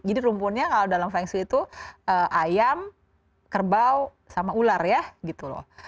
jadi rumpunnya kalau dalam feng shui itu ayam kerbau sama ular ya gitu loh